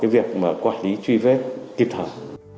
việc quản lý truy vết kịp thời